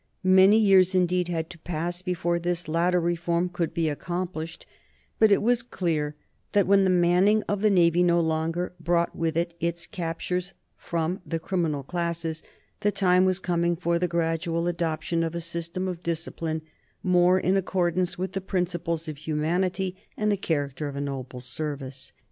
Many years, indeed, had to pass before this latter reform could be accomplished, but it was clear that, when the manning of the Navy no longer brought with it its captures from the criminal classes, the time was coming for the gradual adoption of a system of discipline more in accordance with the principles of humanity and the character of a noble service.